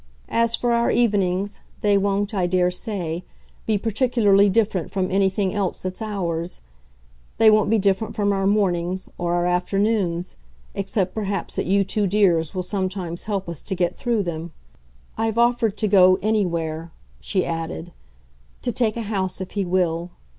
As for our evenings, they won't, I dare say, be particularly different from anything else that's ours. They won't be different from our mornings or our afternoons except perhaps that you two dears will sometimes help us to get through them. I've offered to go anywhere," she added; "to take a house if he will.